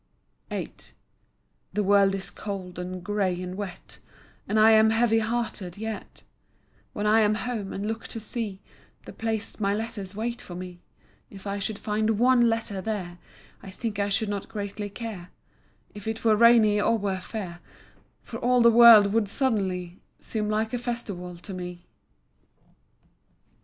VIII The world is cold and gray and wet, And I am heavy hearted, yet When I am home and look to see The place my letters wait for me, If I should find ONE letter there, I think I should not greatly care If it were rainy or were fair, For all the world would suddenly Seem like a festival to me.